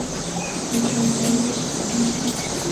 你这磨人的小妖精